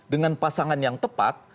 dengan pasangan yang tepat